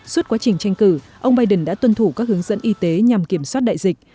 suốt quá trình tranh cử ông biden đã tuân thủ các hướng dẫn y tế nhằm kiểm soát đại dịch